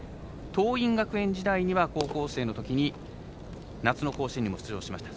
桐蔭学園時代には高校生のときに夏の甲子園にも出場しました。